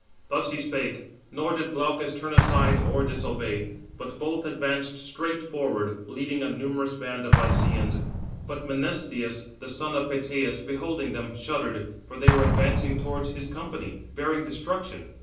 Thus he spake, nor did Glaucus turn aside or disobey, but both advanced straight forward, leading a numerous band of Lycians. But Menestheus, the son of Peteus, beholding them, shuddered, for they were advancing towards his company, bearing destruction.